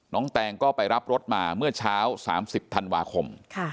แตงก็ไปรับรถมาเมื่อเช้า๓๐ธันวาคม